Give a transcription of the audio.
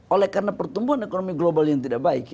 oleh karena pertumbuhan ekonomi global yang tidak baik